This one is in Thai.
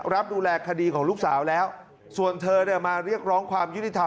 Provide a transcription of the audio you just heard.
รับดูแลคดีของลูกสาวแล้วส่วนเธอเนี่ยมาเรียกร้องความยุติธรรม